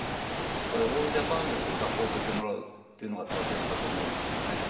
オールジャパンでサポートしてもらうっていうのが大切だと思うんですけどね。